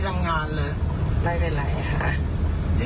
สนได้เป็นอะไรคะ